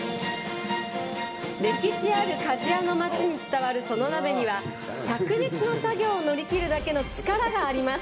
歴史ある鍛冶屋の町に伝わるその鍋にしゃく熱の作業を乗り切るだけの力があります。